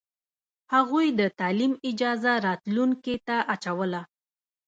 هغوی د تعلیم اجازه راتلونکې ته اچوله.